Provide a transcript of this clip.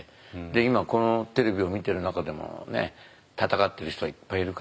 で今このテレビを見てる中でも闘ってる人はいっぱいいるから。